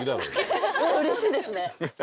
うれしいですね！